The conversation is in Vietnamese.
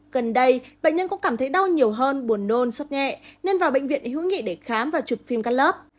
gần đây bệnh nhân cũng cảm thấy đau nhiều hơn buồn nôn suốt nhẹ nên vào bệnh viện hữu nghị để khám và chụp phim cắt lớp